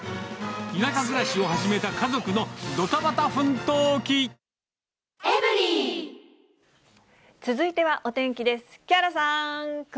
田舎暮らしを始めた家族のど続いてはお天気です。